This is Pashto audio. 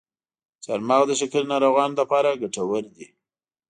چارمغز د شکرې ناروغانو لپاره ګټور دی.